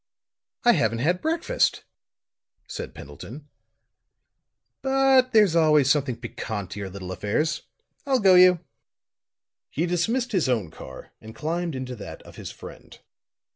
"I haven't had breakfast," said Pendleton; "but there's always something piquant to your little affairs. I'll go you." He dismissed his own car and climbed into that of his friend.